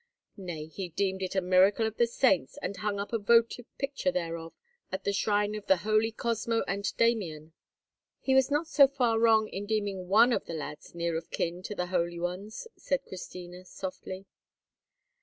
Nay, he deemed it a miracle of the saints, and hung up a votive picture thereof at the shrine of the holy Cosmo and Damian." "He was not so far wrong in deeming one of the lads near of kin to the holy ones," said Christina, softly.